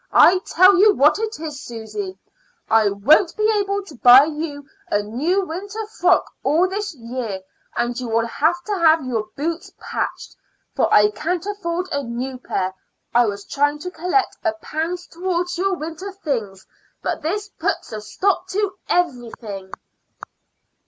"I tell, you what it is, Susy, I won't be able to buy you a new winter frock at all this year; and you will have to have your boots patched, for I can't afford a new pair. I was trying to collect a pound towards your winter things, but this puts a stop to everything."